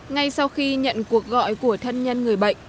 ngay sau khi nhận cuộc gọi của thân nhân người bệnh